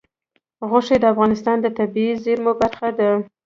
غوښې د افغانستان د طبیعي زیرمو برخه ده.